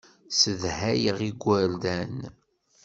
Ssedhayeɣ igerdan.